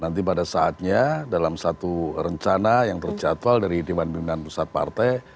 nanti pada saatnya dalam satu rencana yang terjatual dari dewan pimpinan pusat partai